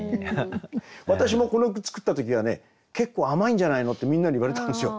私もこの句作った時はね「結構甘いんじゃないの？」ってみんなに言われたんですよ。